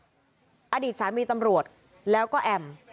อดีตสามีตำรวจแล้วก็แอม